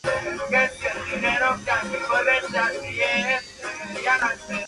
En la India se lo considera el de Chandigarh.